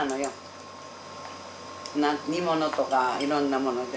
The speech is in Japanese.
煮物とかいろんなもので。